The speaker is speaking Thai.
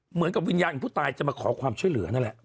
เหมือนกับวิญญาณของผู้ตายจะมาขอความช่วยเหลือนั่นแหละ